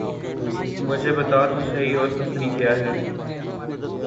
مجھے بتا تو سہی اور کافری کیا ہے!